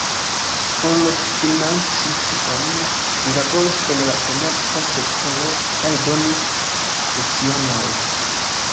Por financi tion, li laboris en la komerca sektoro, kaj donis lecionojn.